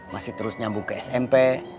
masih terus nyambung ke smp